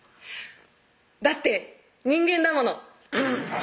だって人間だものブッ！